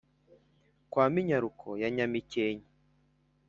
Kwa Minyaruko ya Nyamikenke